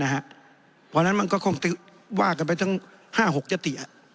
เพราะฉะนั้นมันก็คงว่ากันไปทั้ง๕๖ยติ